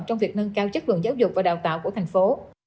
trong việc nâng cao chất lượng giáo dục và đào tạo của thành phố